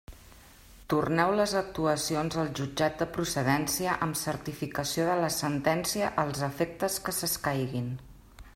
Torneu les actuacions al Jutjat de procedència amb certificació de la sentència als efectes que s'escaiguin.